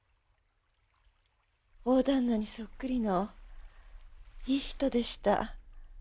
大旦那にそっくりのいい人でした。